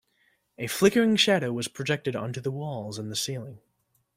A flickering shadow was projected onto the walls and the ceiling.